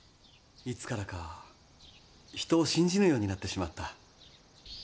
いつからか、人を信じぬようになってしまった。